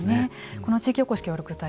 この地域おこし協力隊